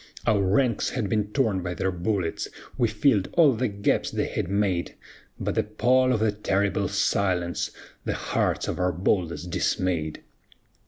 Our ranks had been torn by their bullets, We filled all the gaps they had made; But the pall of that terrible silence The hearts of our boldest dismayed.